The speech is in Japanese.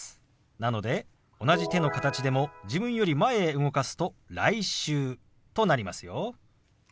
なので同じ手の形でも自分より前へ動かすと「来週」となりますよ。